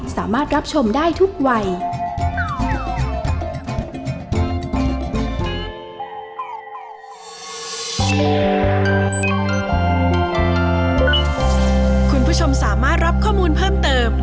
สนับสนุนโดยรุ่นใหม่